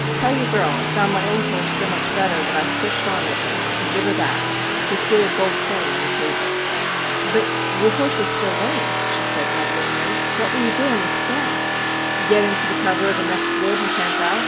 Tell your girl I Ve found my own horse so much better that I have pushed on with him, and give her that/ He threw a gold coin on the table. ' But your horse is still lame/ she said won deringly. ' What will you do in this storm ?'* Get into the cover of the next wood and camp out.